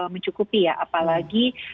mencukupi ya apalagi